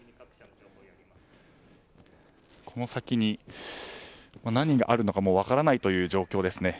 この先に何があるかも分からない状況です。